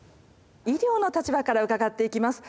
医療の立場から伺っていきます。